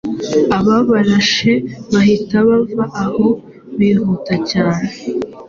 Ababarashe bahita bava aho bihuta cyane